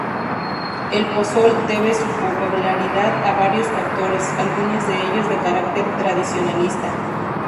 El pozol debe su popularidad a varios factores, algunos de ellos de carácter tradicionalista.